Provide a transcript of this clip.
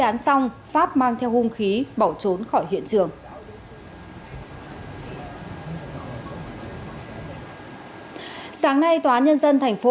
án xong pháp mang theo hung khí bảo trốn khỏi hiện trường ừ ừ ở sáng nay tòa nhân dân thành phố